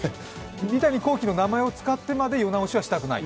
三谷幸喜の名前を使ってまで世直しをしたくない？